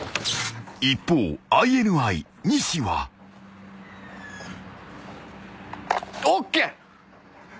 ［一方ＩＮＩ西は］ＯＫ！